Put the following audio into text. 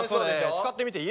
使ってみていい？